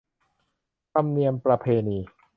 ธรรมเนียมประเพณี